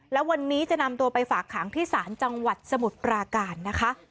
แล้ววันนี้จะนำตัวไปฝากขังที่ศาลจังหวัดสมุทรปราการนะคะ